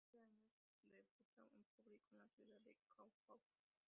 Con nueve años debuta en público en la ciudad de Sao Paulo.